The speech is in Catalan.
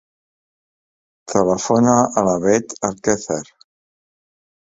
Telefona a la Bet Alquezar.